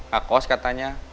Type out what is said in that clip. gak kos katanya